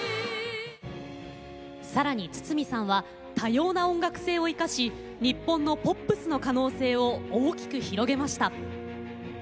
さらに、筒美さんは多様な音楽性を生かし日本のポップスの可能性を大きく広げました。